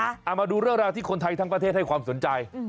เอามาดูเรื่องราวที่คนไทยทั้งประเทศให้ความสนใจ